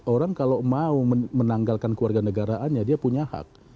orang kalau mau menanggalkan keluarga negaraannya dia punya hak